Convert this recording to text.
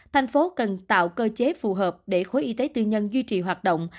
thành phố cần tạo cơ chế phù hợp để khối y tế tư nhân duy trì hoạt động